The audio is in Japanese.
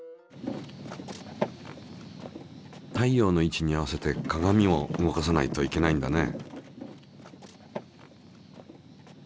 太陽の位置に合わせて鏡も動かさないといけないんだね。